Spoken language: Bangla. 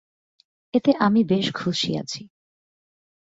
এতে আমি বেশ খুশী আছি।